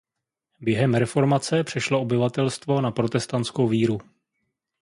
Během reformace přešlo obyvatelstvo na protestantskou víru.